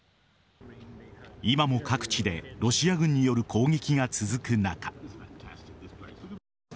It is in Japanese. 今も各地でロシア軍による攻撃が続く中。